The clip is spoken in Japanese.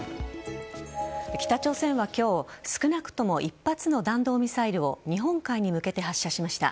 北朝鮮は今日少なくとも１発の弾道ミサイルを日本海に向けて発射しました。